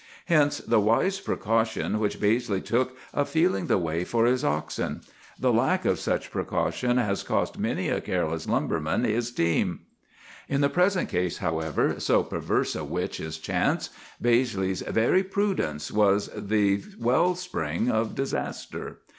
Hence the wise precaution which Baizley took of feeling the way for his oxen. The lack of such precaution has cost many a careless lumberman his team. "In the present case, however,—so perverse a witch is chance,—Baizley's very prudence was the well spring of disaster.